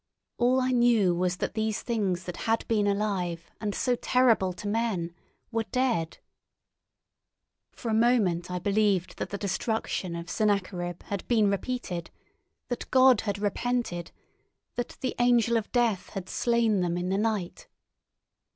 All I knew was that these things that had been alive and so terrible to men were dead. For a moment I believed that the destruction of Sennacherib had been repeated, that God had repented, that the Angel of Death had slain them in the night.